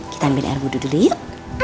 kita ambil air budu dulu yuk